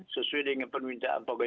sesuai dengan permintaan pak gua